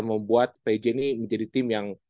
membuat pj ini menjadi tim yang